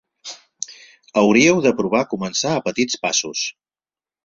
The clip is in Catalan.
Hauríeu de provar començar a petits passos.